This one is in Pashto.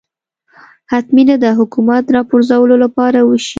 حتمي نه ده حکومت راپرځولو لپاره وشي